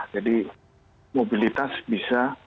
jadi mobilitas bisa